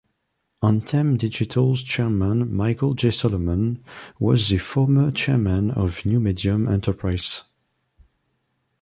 Anthem Digital's chairman Michael Jay Solomon was the former chairman of New Medium Enterprises.